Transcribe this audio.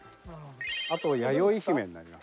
あとやよい姫になります。